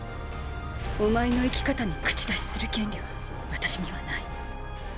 お前の生き方に口出しする権利は私には無い。